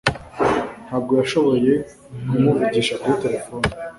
Ntabwo yashoboye kumuvugisha kuri terefone